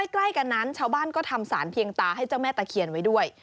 ใกล้กันนั้นชาวบ้านก็ทำสารเพียงตาให้เจ้าแม่ตะเคียนไว้ด้วย